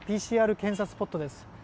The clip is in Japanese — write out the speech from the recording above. ＰＣＲ検査スポットです。